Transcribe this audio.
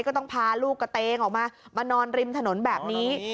ก็ต้องพาลูกกระเตงออกมามานอนริมถนนแบบนี้